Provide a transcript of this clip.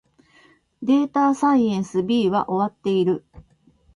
データサイエンス B は終わっている